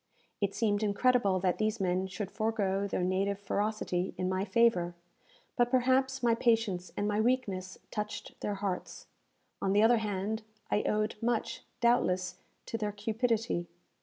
It seemed incredible that these men should forego their native ferocity in my favour; but perhaps my patience and my weakness touched their hearts. On the other hand, I owed much, doubtless, to their cupidity.